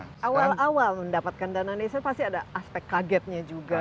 nah awal awal mendapatkan dana desa pasti ada aspek kagetnya juga